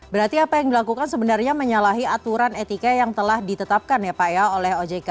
berarti apa yang dilakukan sebenarnya menyalahi aturan etika yang telah ditetapkan ya pak ya oleh ojk